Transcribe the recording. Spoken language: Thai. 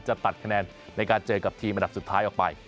จะตัดคะแนนในการเจอกับทีมอันดับสุดท้ายออกไป